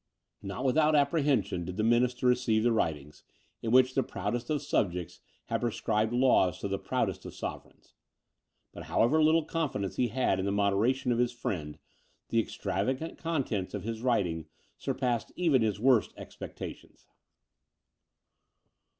Not without apprehension, did the minister receive the writing, in which the proudest of subjects had prescribed laws to the proudest of sovereigns. But however little confidence he had in the moderation of his friend, the extravagant contents of his writing surpassed even his worst expectations.